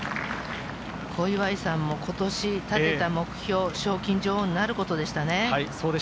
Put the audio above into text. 小祝さんも今年立てた目標・賞金女王になることでした。